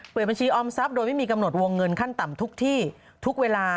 บัญชีออมทรัพย์โดยไม่มีกำหนดวงเงินขั้นต่ำทุกที่ทุกเวลา